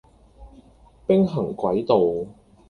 兵行詭道